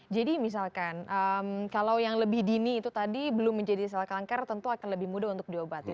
misalkan kalau yang lebih dini itu tadi belum menjadi sel kanker tentu akan lebih mudah untuk diobati